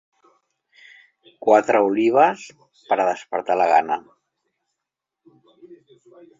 Quatre olives per a despertar la gana.